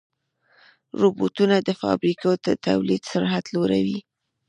روبوټونه د فابریکو د تولید سرعت لوړوي.